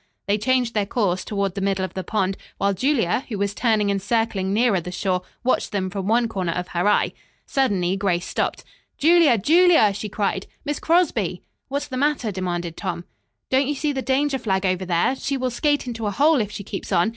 They changed their course toward the middle of the pond, while Julia, who was turning and circling nearer the shore, watched them from one corner of her eye. Suddenly Grace stopped. "Julia! Julia!" she cried. "Miss Crosby!" "What's the matter?" demanded Tom. "Don't you see the danger flag over there? She will skate into a hole if she keeps on.